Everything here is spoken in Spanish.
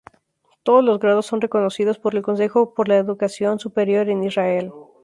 Todos los grados son reconocidos por el consejo para la educación superior en Israel.